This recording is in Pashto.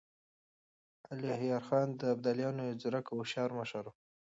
الهيار خان د ابدالیانو يو ځيرک او هوښیار مشر و.